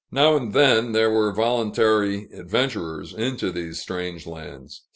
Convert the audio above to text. Now and then, there were voluntary adventurers into these strange lands.